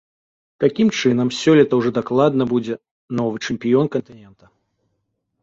Такім чынам, сёлета ўжо дакладна будзе новы чэмпіён кантынента.